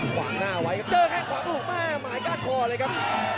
วางหน้าไว้ครับเจอแค่งขวาลูกแม่หมายก้านคอเลยครับ